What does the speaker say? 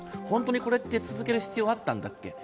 本当にこれって続ける必要あったんだっけ